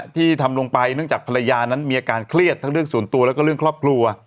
ที่ทำลงไปเนื่องจากภรรยานั้นมีอาการเครียดทั้งเรื่องส่วนตัวแล้วก็เรื่องครอบครัว